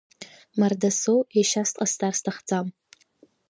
Мардасоу ешьас дҟасҵар сҭахӡам.